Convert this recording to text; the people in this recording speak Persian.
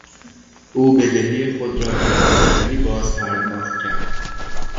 او بدهی خود را بیمعطلی باز پرداخت کرد.